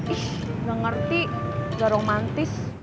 ih gak ngerti gak romantis